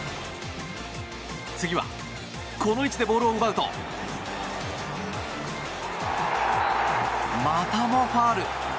次はこの位置でボールを奪うとまたも、ファウル。